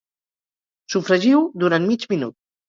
Sofregiu-ho durant mig minut